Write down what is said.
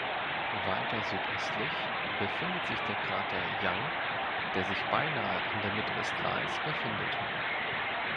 Weiter südöstlich befindet sich der Krater Young, der sich beinahe in der Mitte des Tals befindet.